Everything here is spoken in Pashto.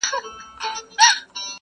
نه به په موړ سې نه به وتړې بارونه؛